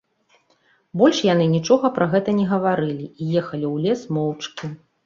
Больш яны нічога пра гэта не гаварылі і ўехалі ў лес моўчкі.